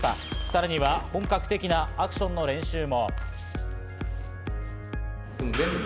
さらには、本格的なアクションの練習も。